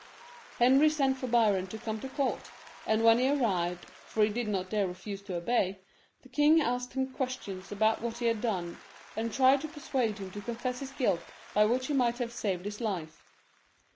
Henry sent for Biron to come to court, and when he arrived, for he did not dare refuse to obey, the king asked him questions about what he had done, and tried to persuade him to confess his guilt, by which he might have saved his life.